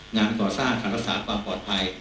งานก่อสร้างคันศาสตร์ความปลอดภัย